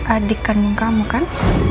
adik kan kamu kan